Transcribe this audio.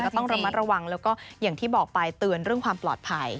ต้องระมัดระวังแล้วก็อย่างที่บอกไปเตือนเรื่องความปลอดภัย